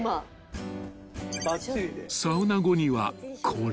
［サウナ後にはこれ］